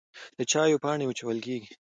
د چای پاڼې وچول کیږي